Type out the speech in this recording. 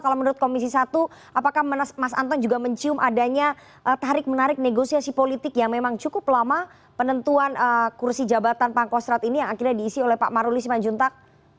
kalau menurut komisi satu apakah mas anton juga mencium adanya tarik menarik negosiasi politik yang memang cukup lama penentuan kursi jabatan pangkostrat ini yang akhirnya diisi oleh pak maruli simanjuntak